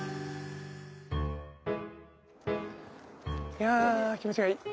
いや気持ちがいい。